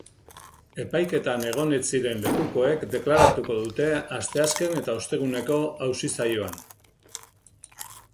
Epaiketan egon ez ziren lekukoek deklaratuko dute asteazken eta osteguneko auzi-saioan.